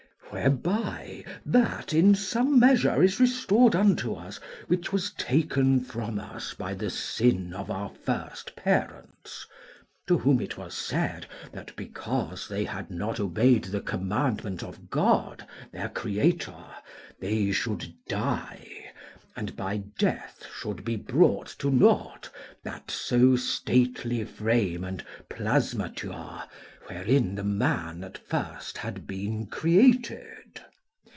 Whereby that in some measure is restored unto us which was taken from us by the sin of our first parents, to whom it was said that, because they had not obeyed the commandment of God their Creator, they should die, and by death should be brought to nought that so stately frame and plasmature wherein the man at first had been created.